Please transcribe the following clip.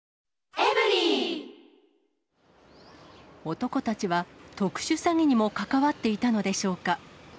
男たちは特殊詐欺にも関わっていたのでしょうか。